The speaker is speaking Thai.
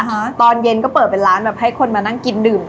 ฮะตอนเย็นก็เปิดเป็นร้านแบบให้คนมานั่งกินดื่ม